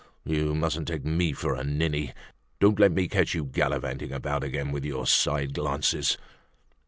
You mustn't take me for a ninny. Don't let me catch you gallivanting about again with your side glances!"